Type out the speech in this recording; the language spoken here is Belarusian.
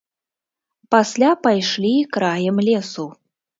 Пасля пайшлі краем лесу.